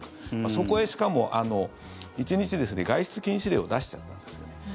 そこへしかも１日、外出禁止令を出しちゃったんです。